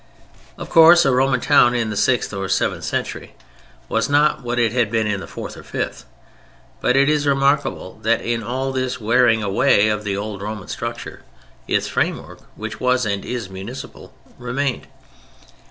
Of course, a Roman town in the sixth or seventh century was not what it had been in the fourth or fifth; but it is remarkable that in all this wearing away of the old Roman structure, its framework (which was, and is, municipal) remained.